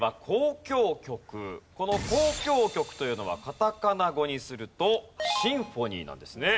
この「交響曲」というのはカタカナ語にすると「シンフォニー」なんですね。